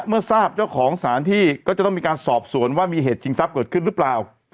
เมื่อทราบเจ้าของสถานที่ก็จะต้องมีการสอบสวนว่ามีเหตุชิงทรัพย์เกิดขึ้นหรือเปล่า